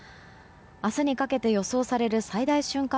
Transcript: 明日にかけて予想される最大瞬間